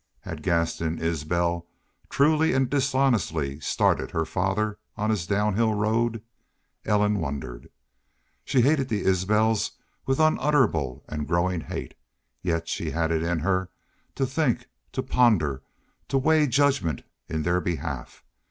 Had Gaston Isbel truly and dishonestly started her father on his downhill road? Ellen wondered. She hated the Isbels with unutterable and growing hate, yet she had it in her to think, to ponder, to weigh judgments in their behalf.